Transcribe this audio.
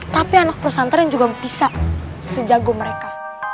tapi anak pesantren juga bisa sejago mereka